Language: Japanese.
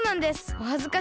おはずかしい。